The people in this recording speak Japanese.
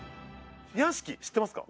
屋敷知ってますか？